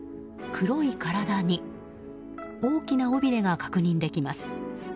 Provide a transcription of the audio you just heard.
黒い体に大きな尾びれが確認できます。